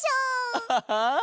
アハハ。